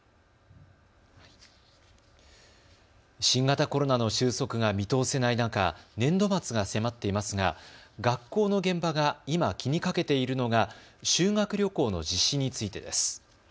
新型コロナの収束が見通せない中年度末が迫っていますが学校の現場が今、気にかけているのが修学旅行の実施についてです。